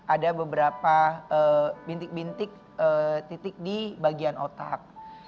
ada beberapa bintik bintik titik di bagian otak